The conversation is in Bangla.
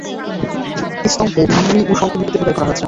এই স্তম্ভে ব্রাহ্মী ও শঙ্খ লিপিতে খোদাই করা রয়েছে।